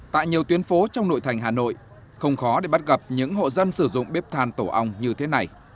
tại nhiều tuyến phố trong nội thành hà nội không khó để bắt gặp những hộ dân sử dụng bếp than tổ ong như thế này